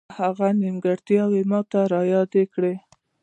هغه نیمګړتیاوې ماته را یادې کړې.